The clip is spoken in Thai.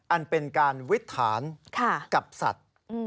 อันเป็นการวิทธานกับสัตว์